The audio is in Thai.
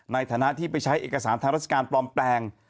ในฐานะที่ไปใช้เอกสารทางราชการปลอมแปลง